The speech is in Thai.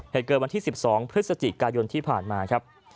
เหตุเกิดวันที่๑๒พฤศจิกายนที่ผ่านมาครับ